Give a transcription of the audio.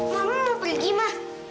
mama mau pergi ma